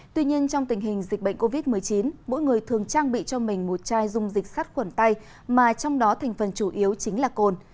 tuy nhiên trong tình hình dịch bệnh covid một mươi chín mỗi người thường trang bị cho mình một chai dung dịch sát khuẩn tay mà trong đó thành phần chủ yếu chính là cồn